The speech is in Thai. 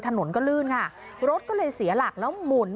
ถนนก็ลื่นค่ะรถก็เลยเสียหลักแล้วหมุน